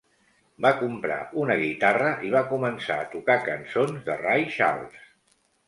Va comprar una guitarra i va començar a tocar cançons de Ray Charles.